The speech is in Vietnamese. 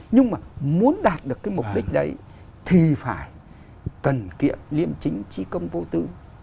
nhưng mà muốn đạt được cái mục đích đấy thì phải cần kiệm liêm chính trí công vô tư